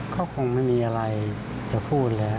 ก็คงไม่มีอะไรจะพูดแล้ว